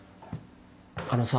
あのさ。